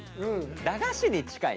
駄菓子に近いね。